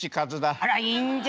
あらいいんじゃない？